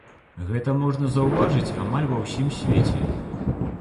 Гэта можна заўважыць амаль ва ўсім свеце.